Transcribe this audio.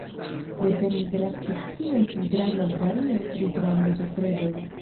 Depende de la specio estas granda vario pri grando de predoj.